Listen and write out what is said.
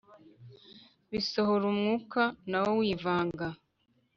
bisohora umwuka na wo wivanga